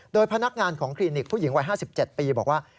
โดยพนักงานของคลินิกผู้หญิงวัย๕๗ปีบอกว่า